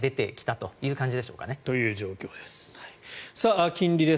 という状況です。